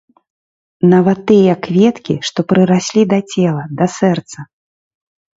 Нават тыя кветкі, што прыраслі да цела, да сэрца.